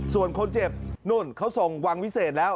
ส่วนคนเจ็บนู่นเขาส่งวังวิเศษแล้ว